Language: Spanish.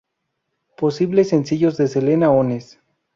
Posibles Sencillos de Selena Ones